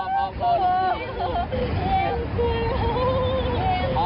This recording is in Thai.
พี่แอม